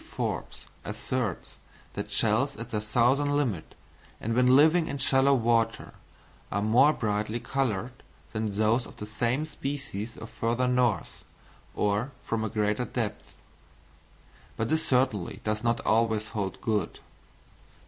Forbes asserts that shells at their southern limit, and when living in shallow water, are more brightly coloured than those of the same species from further north or from a greater depth; but this certainly does not always hold good.